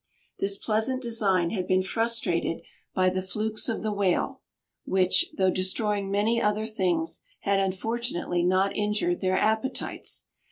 This pleasant design had been frustrated by the flukes of the whale; which, though destroying many other things, had, unfortunately, not injured their appetites.